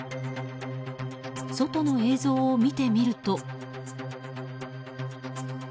外の映像を見てみると。